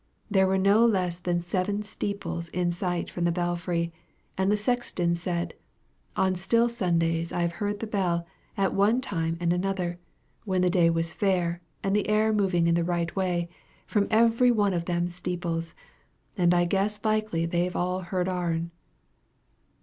There were no less than seven steeples in sight from the belfry, and the sexton said: "On still Sundays I've heard the bell, at one time and another, when the day was fair, and the air moving in the right way, from every one of them steeples, and I guess likely they've all heard our'n."